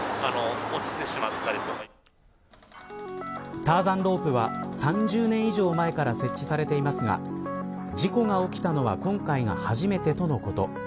ターザンロープは３０年以上前から設置されていますが事故が起きたのは今回が初めてとのこと。